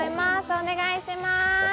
お願いします。